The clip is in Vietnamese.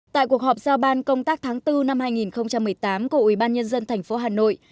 tại cuộc họp giao ban công tác tháng bốn năm hai nghìn một mươi tám của ubnd tp hà nội